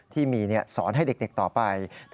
ที่มีสอนให้เด็กต่อไป